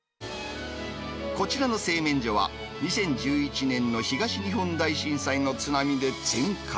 こちらの製麺所は、２０１１年の東日本大震災の津波で全壊。